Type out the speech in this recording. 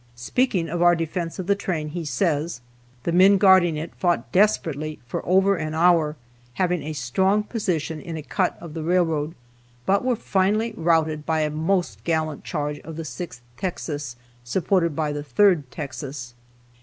Speaking of our defense of the train, he says: "The men guarding it fought desperately for over an hour, having a strong position in a cut of the railroad, but were finally routed by a most gallant charge of the Sixth Texas, supported by the Third Texas."